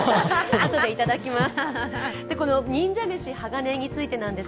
あとでいただきます。